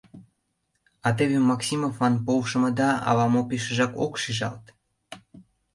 А теве Максимовлан полшымыда ала-мо пешыжак ок шижалт.